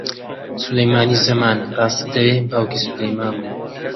سولەیمانی زەمان، ڕاستت دەوێ، باوکی سولەیمان بوو